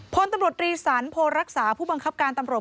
พลตำรวจรีสันโพรักษาผู้บังคับการตำรวจ